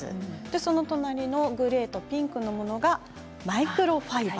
その隣のグレーとピンクのものがマイクロファイバー。